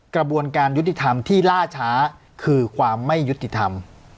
กระบวนการยุติธรรมที่ล่าช้าคือความไม่ยุติธรรม